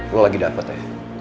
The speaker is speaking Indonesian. lo lagi dapet ya